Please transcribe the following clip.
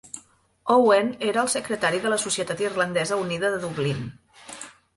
Owen era el secretari de la Societat Irlandesa Unida de Dublín.